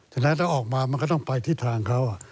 ฉะนั้นถ้าออกมามันก็ต้องไปที่ทางเขา